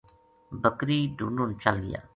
بکری ڈھُونڈن چل گیا